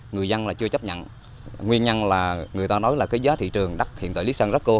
người dân là chưa chấp nhận nguyên nhân là người ta nói là cái giá thị trường đắt hiện tại lý sơn rất cô